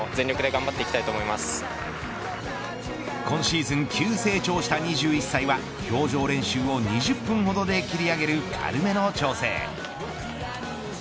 今シーズン急成長した２１歳は氷上練習を２０分ほどで切り上げる軽めの調整。